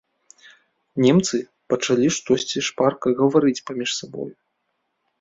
Немцы пачалі штосьці шпарка гаварыць паміж сабою.